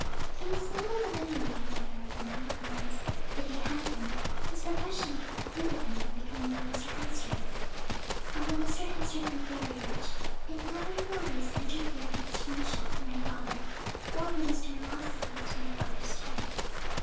He was not of the money making order of men, and, if he had been, his profession would have precluded him from becoming what Mr. Hemster is. Although Mr. Hemster grew very rich, it never in the least interfered with his friendship for my father nor with his generosity to my father's child.